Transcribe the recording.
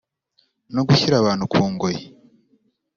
no gushyira abantu ku ngoyi